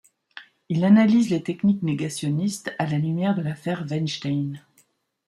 Il analyse les techniques négationnistes à la lumière de l'affaire Veinstein.